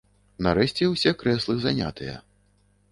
Нарэшце ўсе крэслы занятыя.